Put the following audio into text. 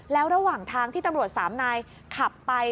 แล้วระหว่างทางที่ตำรวจสามนายขับไป